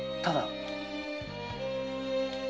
ただ？